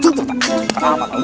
itu adalah rambutan